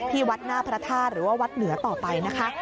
วัดหน้าพระธาตุหรือว่าวัดเหนือต่อไปนะคะ